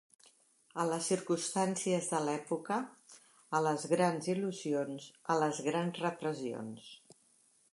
A les circumstàncies de l’època, a les grans il·lusions, a les grans repressions.